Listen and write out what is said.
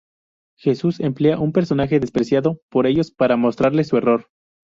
Jesús emplea un personaje despreciado por ellos para mostrarles su error.